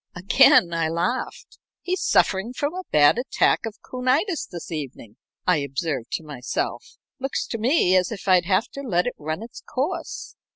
Again I laughed. "He's suffering from a bad attack of coonitis this evening," I observed to myself. "Looks to me as if I'd have to let it run its course."